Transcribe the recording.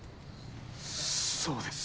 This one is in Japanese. そうです。